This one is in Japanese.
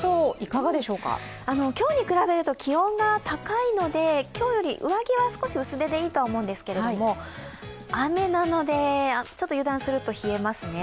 今日に比べると気温が高いので今日より上着は少し薄手でいいとは思うんですけれども雨なので、油断すると冷えますね。